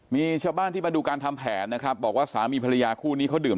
มีชาวบ้านที่มาดูการทำแผนนะครับบอกว่าสามีภรรยาคู่นี้เขาดื่ม